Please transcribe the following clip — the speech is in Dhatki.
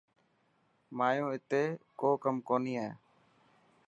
مايو اتي ڪو ڪم ڪوني هي.